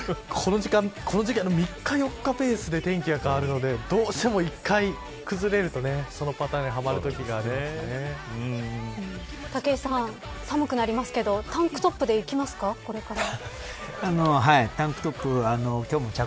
この時期は３日、４日ペースで天気が変わるのでどうしても一回崩れるとそのパターンに武井さん、寒くなりますけどタンクトップでいきますかこれから。